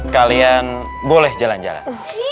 kalian boleh jalan jalan